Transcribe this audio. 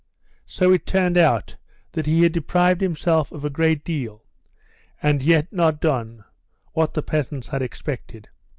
So it turned out that he had deprived himself of a great deal, and yet not done what the peasants had expected.